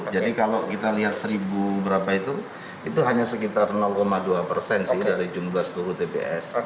jadi kalau kita lihat seribu berapa itu itu hanya sekitar dua persen sih dari jumlah seturu tps